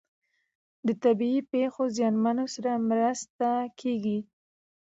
د طبیعي پیښو زیانمنو سره مرسته کیږي.